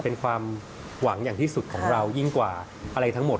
เป็นความหวังอย่างที่สุดของเรายิ่งกว่าอะไรทั้งหมด